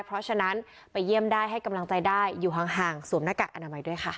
เพราะฉะนั้นไปเยี่ยมได้ให้กำลังใจได้อยู่ห่างสวมหน้ากากอนามัยด้วยค่ะ